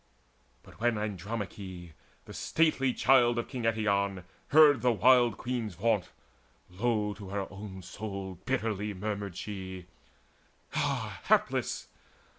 But when Andromache, the stately child Of king Eetion, heard the wild queen's vaunt, Low to her own soul bitterly murmured she: "Ah hapless!